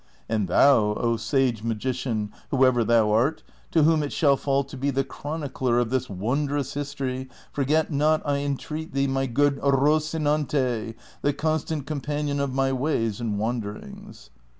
And thou, O sage magi cian,^ whoever thou art, to whom it shall fall to be the chronicler of this wondrous history, forget not, I entreat thee, my good Eocinante, the constant companion of my ways and wanderings."